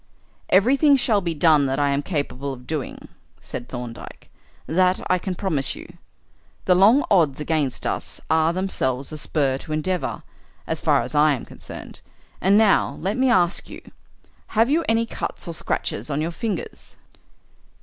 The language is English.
"Everything shall be done that I am capable of doing," said Thorndyke; "that I can promise you. The long odds against us are themselves a spur to endeavour, as far as I am concerned. And now, let me ask you, have you any cuts or scratches on your fingers?"